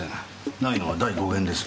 ないのは第５弦です。